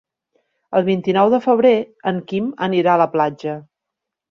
El vint-i-nou de febrer en Quim anirà a la platja.